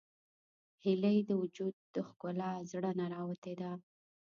هیلۍ د وجود ښکلا له زړه نه راوتې ده